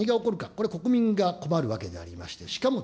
これ国民が困るわけでありまして、しかも、